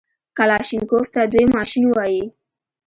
کلاشينکوف ته دوى ماشين وايي.